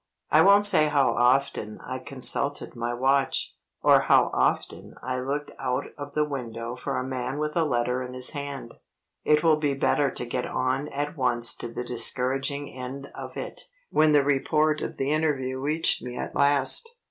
I won't say how often I consulted my watch, or how often I looked out of the window for a man with a letter in his hand. It will be better to get on at once to the discouraging end of it, when the report of the interview reached me at last.